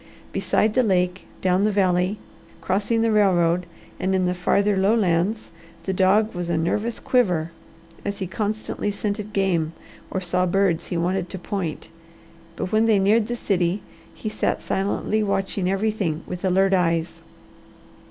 Beside the lake, down the valley, crossing the railroad, and in the farther lowlands, the dog was a nervous quiver, as he constantly scented game or saw birds he wanted to point. But when they neared the city, he sat silently watching everything with alert eyes.